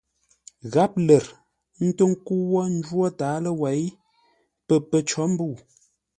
Gháp lər, ə́ ntó ńkə́u wó ńjwó tǎaló wêi pə̌ pə̂ cǒ mbə̂u.